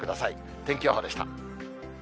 天気予報でした。